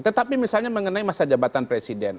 tetapi misalnya mengenai masa jabatan presiden